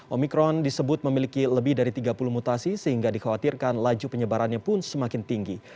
omikron disebut memiliki lebih dari tiga puluh mutasi sehingga dikhawatirkan laju penyebarannya pun semakin tinggi